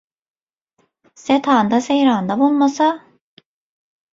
Setanda-seýranda bolmasa